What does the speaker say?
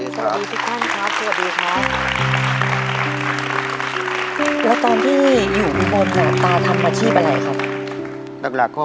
ตอนที่อยู่บนประหลาดประทีบอะไรครับ